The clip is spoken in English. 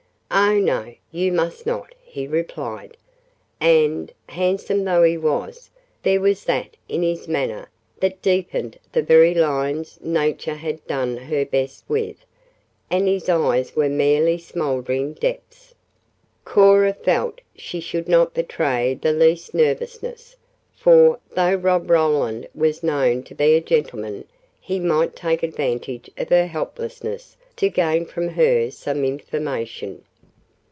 "Oh, no, you must not," he replied, and, handsome though he was, there was that in his manner that deepened the very lines nature had done her best with, and his eyes were merely smoldering depths. Cora felt she should not betray the least nervousness, for, though Rob Roland was known to be a gentleman, he might take advantage of her helplessness to gain from her some information.